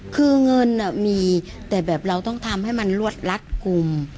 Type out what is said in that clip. คือเงินมีแต่แบบเราต้องทำให้มันรวดรัดกลุ่ม